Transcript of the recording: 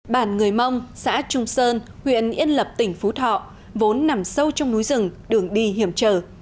bản người mông xã trung sơn huyện yên lập tỉnh phú thọ vốn nằm sâu trong núi rừng đường đi hiểm trở